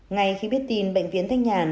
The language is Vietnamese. ngay khi biết tin bệnh viện thay nhàn